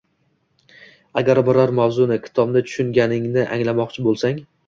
Agar biror mavzuni, kitobni tushunganingni anglamoqchi bo‘lsang